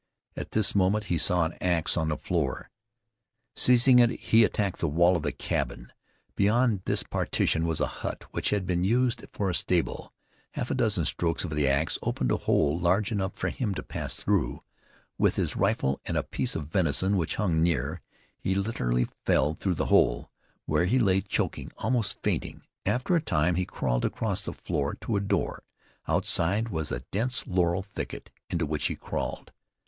At this moment he saw an ax on the floor. Seizing it he attacked the wall of the cabin. Beyond this partition was a hut which had been used for a stable. Half a dozen strokes of the ax opened a hole large enough for him to pass through. With his rifle, and a piece of venison which hung near, he literally fell through the hole, where he lay choking, almost fainting. After a time he crawled across the floor to a door. Outside was a dense laurel thicket, into which he crawled.